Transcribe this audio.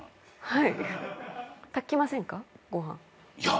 はい。